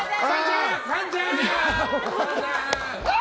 さんちゃん！